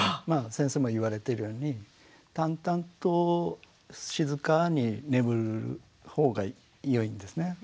まあ先生も言われてるように淡々と静かに眠る方がよいんですね。